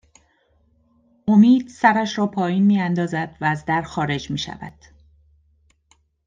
امید سرش را پائین می اندازد و از در خارج می شود